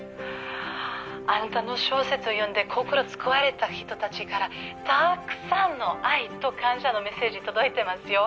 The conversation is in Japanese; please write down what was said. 「あなたの小説を読んで心救われた人たちからたくさんの愛と感謝のメッセージ届いてますよ」